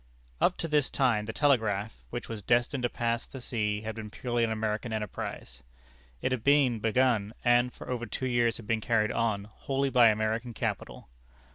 Up to this time the Telegraph, which was destined to pass the sea, had been purely an American enterprise. It had been begun, and for over two years had been carried on, wholly by American capital.